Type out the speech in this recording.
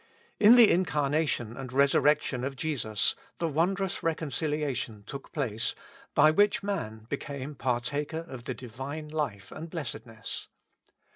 In the incarnation and resurrec tion of Jesus, the wondrous reconciliation took place, by which man became partaker of the Divine life and blessedness.